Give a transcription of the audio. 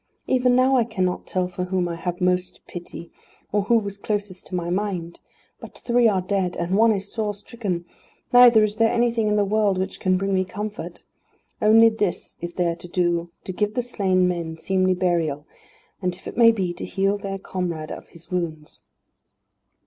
Even now I cannot tell for whom I have most pity, or who was closest to my mind. But three are dead, and one is sore stricken; neither is there anything in the world which can bring me comfort. Only this is there to do to give the slain men seemly burial, and, if it may be, to heal their comrade of his wounds."